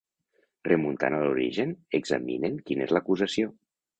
Remuntant a l'origen, examinem quina és l'acusació.